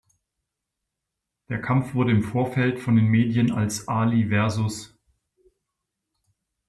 Der Kampf wurde im Vorfeld von den Medien als "Ali vs.